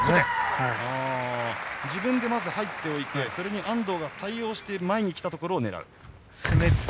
自分でまず入っておいてそれに安藤が対応して前に来たところを狙う。